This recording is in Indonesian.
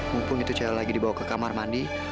mumpung itu saya lagi dibawa ke kamar mandi